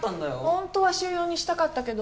ホントは週４にしたかったけど。